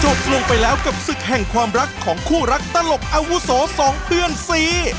ลงไปแล้วกับศึกแห่งความรักของคู่รักตลกอาวุโสสองเพื่อนซี